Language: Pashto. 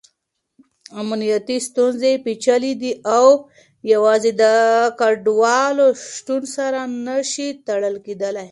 امنیتي ستونزې پېچلې دي او يوازې د کډوالو شتون سره نه شي تړل کېدای.